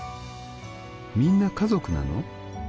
『みんな家族なの？』